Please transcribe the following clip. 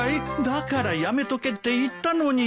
だからやめとけって言ったのに。